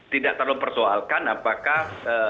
tidak terlalu persoalkan apakah